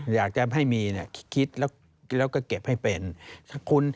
อยากจะให้มีเนี่ยคิดแล้วก็เก็บให้เป็น